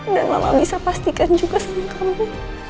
dan mama bisa pastikan juga sendiri kamu